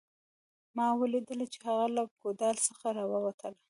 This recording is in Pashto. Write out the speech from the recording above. ما ولیدله چې هغه له ګودال څخه راووتله